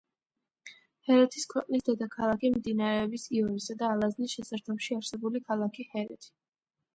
ჰერეთის ქვეყნის დედაქალაქი, მდინარეების იორისა და ალაზნის შესართავში არსებული ქალაქი ჰერეთი.